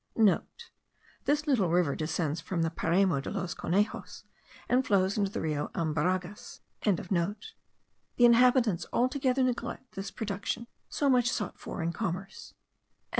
(* This little river descends from the Paramo de los Conejos, and flows into the Rio Albarregas.) The inhabitants altogether neglect this production, so much sought for in commerce. CHAPTER 2.